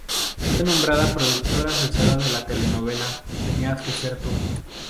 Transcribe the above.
Fue nombrada productora asociada en la telenovela "Tenías que ser tú".